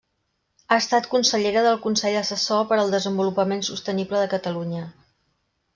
Ha estat consellera del Consell Assessor per al Desenvolupament Sostenible de Catalunya.